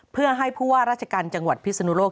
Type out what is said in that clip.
เพื่อให้ผู้ว่าราชการจังหวัดพิศนุโลก